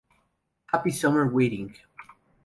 Happy Summer Wedding